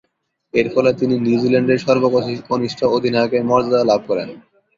এরফলে তিনি নিউজিল্যান্ডের সর্বকনিষ্ঠ অধিনায়কের মর্যাদা লাভ করেন।